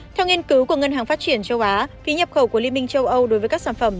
theo nghiên cứu của ngân hàng phát triển châu á phí nhập khẩu của liên minh châu âu đối với các sản phẩm